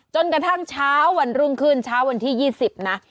จนกระทั่งเช้าวันรุ่งขึ้นเช้าวันที่๒๐นะ